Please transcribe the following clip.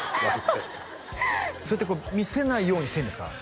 それって見せないようにしてるんですか？